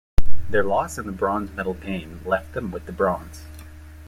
Their loss in the bronze medal game left them with the bronze.